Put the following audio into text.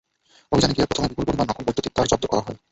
অভিযানে গিয়ে প্রথমে বিপুল পরিমাণ নকল বৈদ্যুতিক তার জব্দ করা হয়।